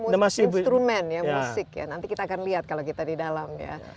komet ini instrumen musik nanti kita akan lihat kalau kita di dalam